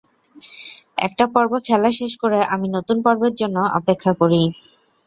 একটা পর্ব খেলা শেষ করে আমি নতুন পর্বের জন্য অপেক্ষা করি।